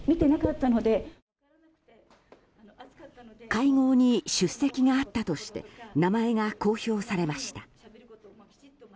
会合に出席があったとして名前が公表されました。